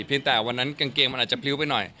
เพียงแต่วันนั้นกางเกงอาจจะพิวไปหน่อย